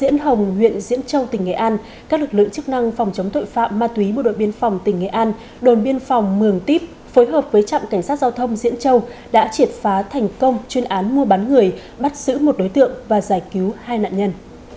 diễn hồng huyện diễn châu tỉnh nghệ an các lực lượng chức năng phòng chống tội phạm ma túy bộ đội biên phòng tỉnh nghệ an đồn biên phòng mường tiếp phối hợp với trạm cảnh sát giao thông diễn châu đã triệt phá thành công chuyên án mua bán người bắt giữ một đối tượng và giải cứu hai nạn nhân